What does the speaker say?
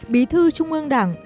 bí thư trung ương đảng